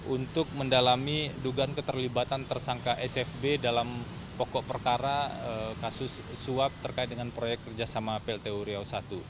untuk mendalami dugaan keterlibatan tersangka sfb dalam pokok perkara kasus suap terkait dengan proyek kerjasama pltu riau i